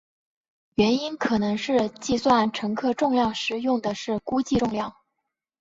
原因可能是计算乘客重量时用的是估计重量。